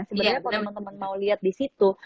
sebenarnya kalau teman teman mau lihat di situ